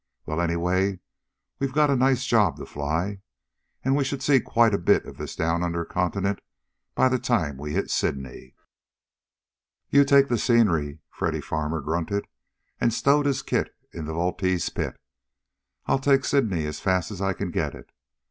Well, anyway, we've got a nice job to fly. And we should see quite a bit of this down under continent by the time we hit Sydney." "You take the scenery," Freddy Farmer grunted, and stowed his kit in the Vultee's pit. "I'll take Sydney as fast as I can get it.